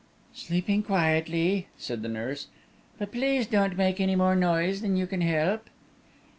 "Sleeping quietly," said the nurse; "but please don't make any more noise than you can help."